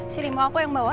sini mau aku yang bawa